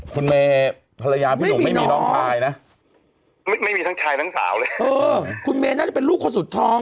คุณเมย์ภรรยาพี่หนุ่มไม่มีน้องชายนะไม่มีทั้งชายทั้งสาวเลยเออคุณเมย์น่าจะเป็นลูกคนสุดท้อง